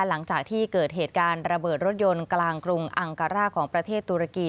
หลังจากที่เกิดเหตุการณ์ระเบิดรถยนต์กลางกรุงอังการ่าของประเทศตุรกี